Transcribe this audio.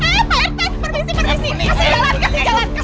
kasih jalan kasih jalan kasih jalan